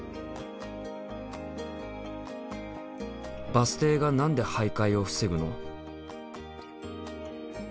バス停が何で徘徊を防ぐの？